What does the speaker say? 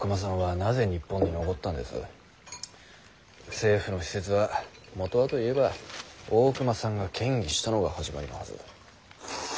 政府の使節はもとはと言えば大隈さんが建議したのが始まりのはず。